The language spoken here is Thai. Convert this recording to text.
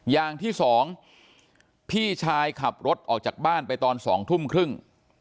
อย่างที่สองพี่ชายขับรถออกจากบ้านไปตอน๒ทุ่มครึ่ง